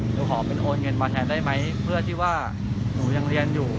หนูขอเป็นโอนเงินมาแทนได้ไหมเพื่อที่ว่าหนูยังเรียนอยู่